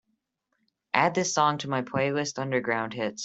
Add this song to my playlist underground hits